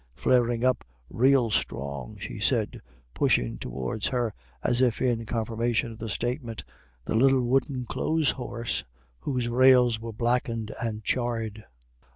"Flarin' up rael strong," she said, pushing towards her, as if in confirmation of the statement, the little wooden clothes horse, whose rails were blackened and charred.